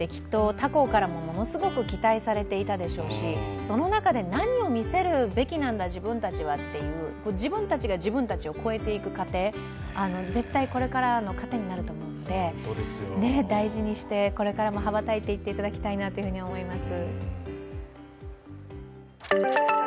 他校からもものすごく期待されていたでしょうしその中で何を見せるべきなんだ自分たちはという、自分たちが自分たちを超えていく過程、絶対これからの糧になると思うので、大事にして、これからも羽ばたいていただきたいなと思います。